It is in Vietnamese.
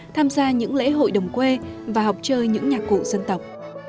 tham gia những lễ hội đồng quê và học chơi những nhạc cụ dân tộc